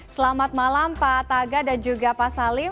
selamat malam pak taga dan juga pak salim